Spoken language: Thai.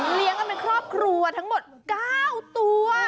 กันเป็นครอบครัวทั้งหมด๙ตัว